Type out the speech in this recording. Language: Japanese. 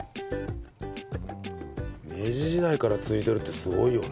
明治時代から続いてるってすごいよね。